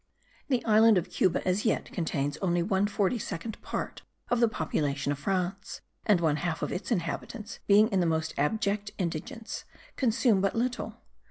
The island of Cuba as yet contains only one forty second part of the population of France; and one half of its inhabitants, being in the most abject indigence, consume but little.